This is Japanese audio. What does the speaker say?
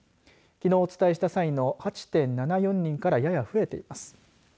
きのうお伝えした際の８．７４人からやや増えています。